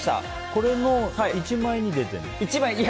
これの１枚に出てるの？